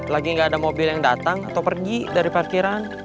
lagi nggak ada mobil yang datang atau pergi dari parkiran